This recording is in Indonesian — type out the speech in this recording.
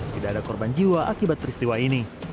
tidak ada korban jiwa akibat peristiwa ini